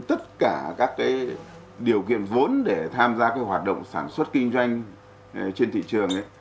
tất cả các điều kiện vốn để tham gia hoạt động sản xuất kinh doanh trên thị trường